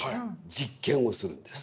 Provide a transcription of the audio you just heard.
実験をするんです。